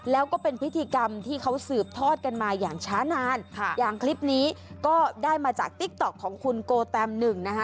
แล้วก็เป็นพิธีกรรมที่เขาสืบทอดกันมาอย่างช้านานค่ะอย่างคลิปนี้ก็ได้มาจากติ๊กต๊อกของคุณโกแตมหนึ่งนะคะ